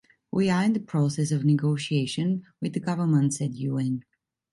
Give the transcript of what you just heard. "We are in the process of negotiation with the government," said Yuen.